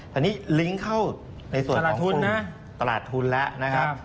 แต่นี้ลิงค์เข้าในส่วนของคุณตลาดทุนละนะครับ